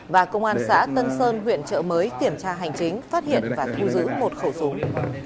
và công an xã tân sơn huyện trợ mới kiểm tra hành chính phát hiện và thu giữ một khẩu súng